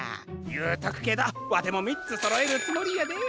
ゆうとくけどわてもみっつそろえるつもりやで。